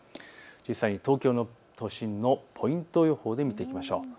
東京都心のポイント予報で見ていきましょう。